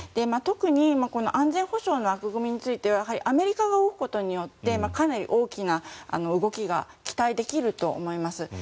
特にこの安全保障の枠組みについてはアメリカが負うことによってかなり大きな動きが期待できると思います。